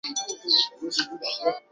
为松本市的。